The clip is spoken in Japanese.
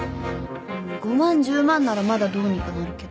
５万１０万ならまだどうにかなるけど。